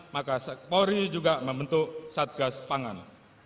maka polri juga membentuk satgas pangan